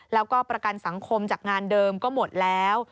แล้วก็ประกันสังคมจากงานเดิมก็หมดแล้ว